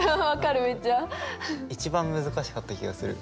一番難しかった気がする。